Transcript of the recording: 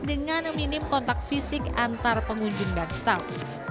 dengan minim kontak fisik antar pengunjung dan staff